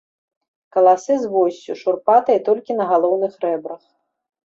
Каласы з воссю, шурпатай толькі на галоўных рэбрах.